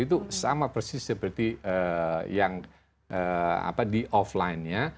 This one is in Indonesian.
itu sama persis seperti yang di offline nya